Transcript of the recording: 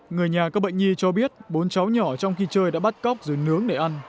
người nhà các bệnh nhi cho biết bốn cháu nhỏ trong khi chơi đã bắt cóc rồi nướng để ăn